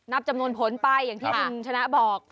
นับจำนวนผลไปอย่างที่คุณชนะบอก